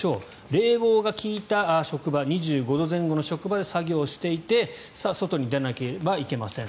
冷房が利いた職場２５度前後の職場で作業していて外に出なければいけません。